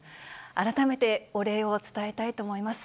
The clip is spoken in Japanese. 改めてお礼を伝えたいと思います。